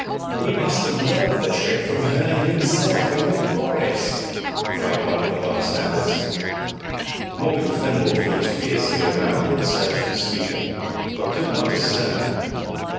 "He must have learnt the trick from Herne himself in the forest," cried one of the bystanders. Morgan Fenwolf looked fiercely round in search of the speaker, but could not discern him.